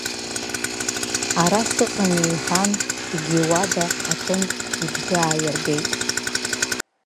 Ара сыҟами, — иҳәан егьи иуада аҿынтә ибжьы ааиргеит.